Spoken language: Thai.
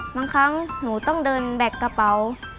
บางครั้งหนูต้องเดินแบกกระเป๋า